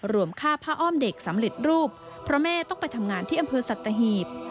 ค่าผ้าอ้อมเด็กสำเร็จรูปเพราะแม่ต้องไปทำงานที่อำเภอสัตหีบ